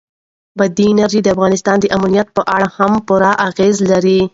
بادي انرژي د افغانستان د امنیت په اړه هم پوره اغېز لري.